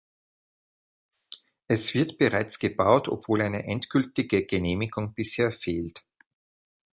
Es wird bereits gebaut, obwohl eine endgültige Genehmigung bisher fehlt.